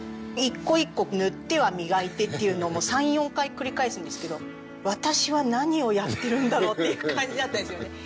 一個一個塗っては磨いてっていうのを３４回繰り返すんですけど私は何をやってるんだろう？っていう感じだったんですよね。